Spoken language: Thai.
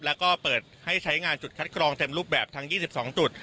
แล้วก็เปิดให้ใช้งานจุดคัดกรองเต็มรูปแบบทั้ง๒๒จุด